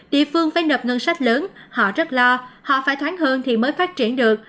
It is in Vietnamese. địa phương phải nập ngân sách lớn họ rất lo họ phải thoáng hương thì mới phát triển được